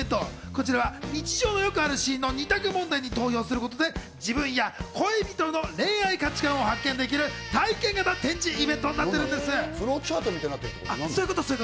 こちらは日常のよくあるシーンの２択問題に投票することで自分や恋人の恋愛価値感を発見できる体験型展示イベントになってるんでフローチャートみたいになっそういうこと。